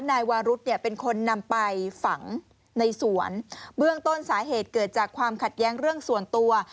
นายวารุธเนี่ยเป็นคนนำไปฝังในสวนเบื้องต้นสาเหตุเกิดจากความขัดแย้งเรื่องส่วนตัว